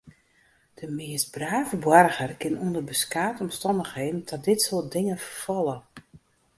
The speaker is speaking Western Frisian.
De meast brave boarger kin ûnder beskate omstannichheden ta dit soart dingen ferfalle.